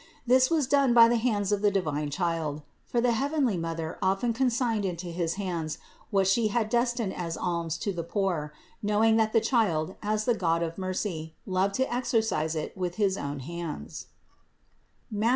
This was done by the hands of the divine Child; for the heavenly Mother often consigned into his hands what She had destined as alms to the poor, knowing that the Child, as the God of mercy, loved to exercise it with his own hands (Matth.